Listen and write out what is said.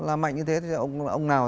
làm mạnh như thế thì ông nào